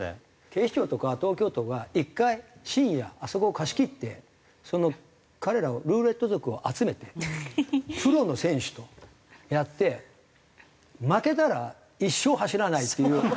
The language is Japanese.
警視庁とか東京都が１回深夜あそこを貸し切って彼らをルーレット族を集めてプロの選手とやって負けたら一生走らないっていう約束。